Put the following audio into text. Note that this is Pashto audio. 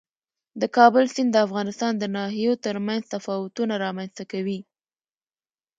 د کابل سیند د افغانستان د ناحیو ترمنځ تفاوتونه رامنځ ته کوي.